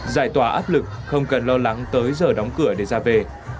giải tỏa áp lực không cần lo lắng tới giờ đóng cửa để ra về